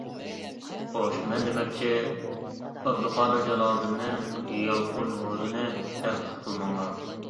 خوش، مەن نېمە دېمەكچى؟ ئابدۇقادىر جالالىدىننى، يالقۇن روزىنى تەنقىد قىلماڭلار!